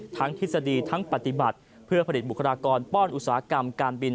ทฤษฎีทั้งปฏิบัติเพื่อผลิตบุคลากรป้อนอุตสาหกรรมการบิน